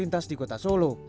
lintas di kota solo